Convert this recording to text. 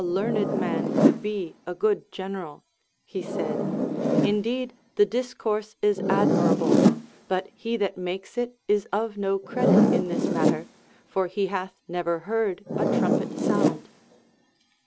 409 learned man could be a good general, he said, Indeed the discourse is admirable, but he that makes it is of no credit in this matter, for he hath never heard a trumpet sound.